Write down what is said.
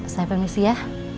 saya permisi ya